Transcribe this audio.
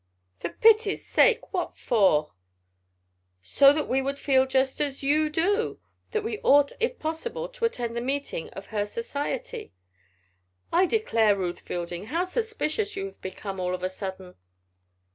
"For pity's sake, what for?" "So that we would feel just as you do that we ought if possible to attend the meeting of her society?" "I declare, Ruth Fielding! How suspicious you have become all of a sudden."